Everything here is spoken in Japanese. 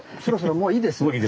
もういいですか。